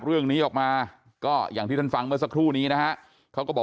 เรื่องนี้ออกมาก็อย่างที่ท่านฟังเมื่อสักครู่นี้นะฮะเขาก็บอก